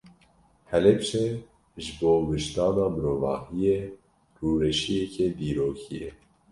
Helepçe ji bo wijdana mirovahiyê rûreşiyeke dîrokî ye.